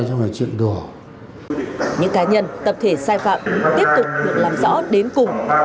những cá nhân tập thể sai phạm tiếp tục được làm rõ đến cùng